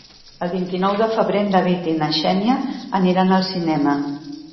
El vint-i-nou de febrer en David i na Xènia aniran al cinema.